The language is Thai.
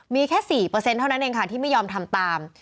มีแค่๔เปอร์เซ็นต์เท่านั้นเองค่ะที่ไม่ยอมทำตาม